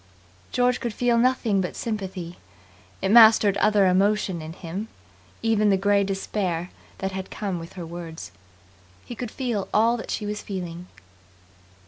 George could feel nothing but sympathy. It mastered other emotion in him, even the grey despair that had come her words. He could feel all that she was feeling.